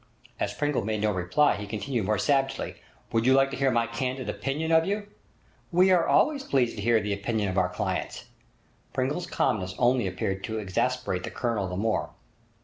As Pringle made no reply, he continued more savagely: 'Would you like to hear my candid opinion of you?' 'We are always pleased to hear the opinion of our clients.' Pringle's calmness only appeared to exasperate the Colonel the more.